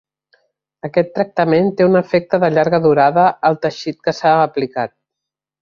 Aquest tractament té un efecte de llarga durada al teixit que s'ha aplicat.